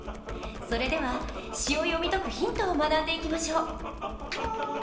それでは詩を読み解くヒントを学んでいきましょう。